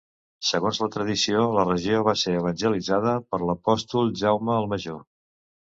Segons la tradició la regió va ser evangelitzada per l'apòstol Jaume el Major.